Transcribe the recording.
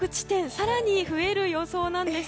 更に増える予想なんです。